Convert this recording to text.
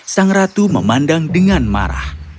sang ratu memandang dengan marah